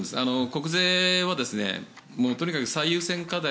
国税はとにかく最優先課題